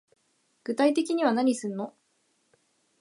具体的には何すんの